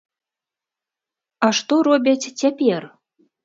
А што робяць цяпер?